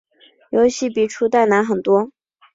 游戏比初代难很多。